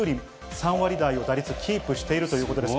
３割台を打率キープしているということです。